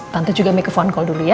tante juga make a phone call dulu ya